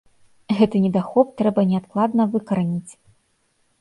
Гэты недахоп трэба неадкладна выкараніць.